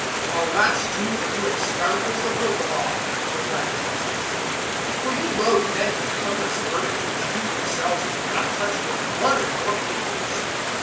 011:046 "Alas too for you expounders of the Law!" replied Jesus, "for you load men with cumbrous burdens which you yourselves will not touch with one of your fingers.